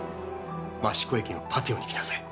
益子駅のパティオに来なさい。